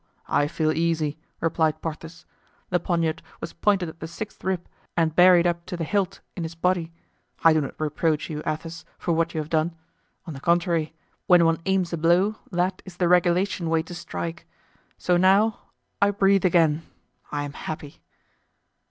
"Oh! I feel easy," replied Porthos. "The poniard was pointed at the sixth rib and buried up to the hilt in his body. I do not reproach you, Athos, for what you have done. On the contrary, when one aims a blow that is the regulation way to strike. So now, I breathe again—I am happy!"